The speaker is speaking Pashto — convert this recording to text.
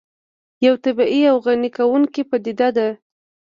یو طبیعي او غني کوونکې پدیده ده